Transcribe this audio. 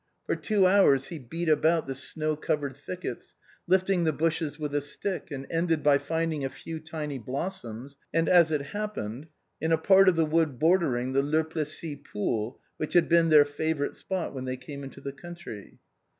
For two hours he beat about the snow covered thickets^ lifting the bushes with a stick, and ended by finding a few tiny blossoms, and as it happened, in a part of the wood bor dering the Le Plessis pool, which had been their favorite spot when they came into the country.